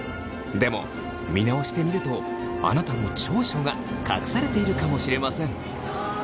でも見直してみるとあなたの長所が隠されているかもしれません。